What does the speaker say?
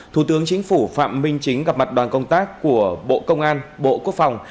thủ tướng chính phủ phạm minh chính gặp mặt đoàn công tác của bộ công an bộ quốc phòng